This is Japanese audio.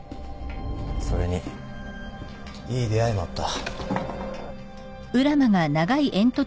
それにいい出会いもあった。